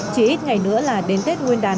chỉ ít ngày nữa là đến tết nguyên đán